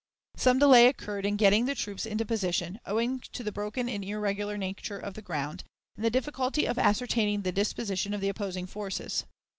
Some delay occurred in getting the troops into position, owing to the broken and irregular nature of the ground, and the difficulty of ascertaining the disposition of the opposing forces.